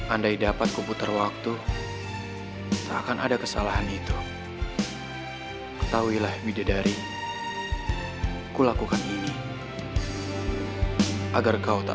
andai dapat kumpul terwaktu takkan ada kesalahan itu tahwilah bidedari kulakukan ini agar kau tak